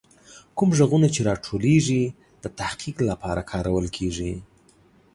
کوم غږونه چې راټولیږي، د تحقیق لپاره کارول کیږي.